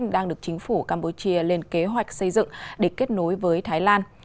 đang được chính phủ campuchia lên kế hoạch xây dựng để kết nối với thái lan